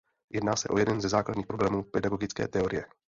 Jedná se o jeden ze základních problémů pedagogické teorie.